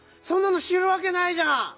そんなのしるわけないじゃん！